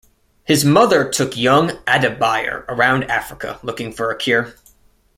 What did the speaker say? His mother took young Adebayor around Africa looking for a cure.